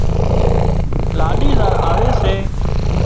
لاڏِي زار آوي سي